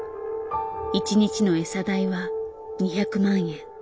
１日の餌代は２００万円。